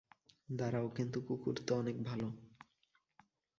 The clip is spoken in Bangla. দাঁড়াও, কিন্তু কুকুর তো অনেক ভালো।